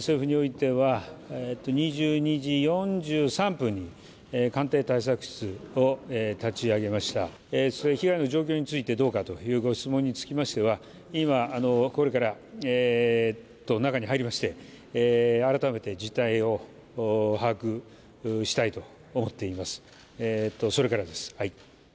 そういうふうにおいては２２時４３分に官邸対策室を立ち上げました被害の状況についてどうかというご質問につきましては、今これから中に入りまして改めて事態を把握したいと思っていますそれからです。